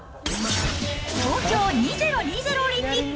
東京２０２０オリンピック！